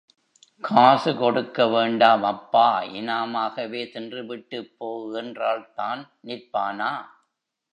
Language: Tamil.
காசு கொடுக்க வேண்டாம் அப்பா இனாமாகவே தின்றுவிட்டுப் போ என்றால்தான் நிற்பானா?